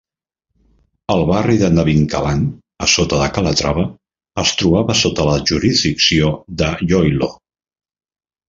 El barri de Nabingkalan, a sota de Calatrava, es trobava sota la jurisdicció d'Iloilo.